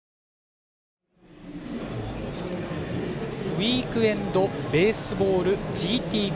ウイークエンドベースボールＧＴＶ。